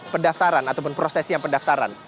pendaftaran ataupun prosesi pendaftaran